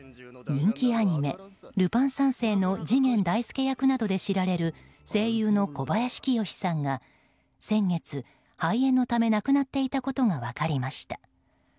人気アニメ「ルパン三世」の次元大介役などで知られる声優の小林清志さんが先月、肺炎のため亡くなっていたことが分かりました。